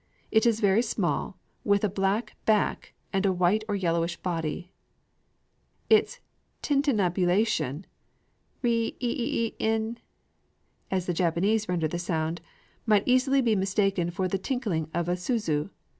It is very small, with a black back, and a white or yellowish belly. Its tintinnabulation ri ï ï ï in, as the Japanese render the sound might easily be mistaken for the tinkling of a suzu.